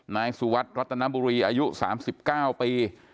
นายสุวัสดิรัตนบุรีอายุ๓๙ปี